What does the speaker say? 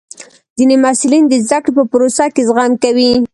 ځینې محصلین د زده کړې په پروسه کې زغم کوي.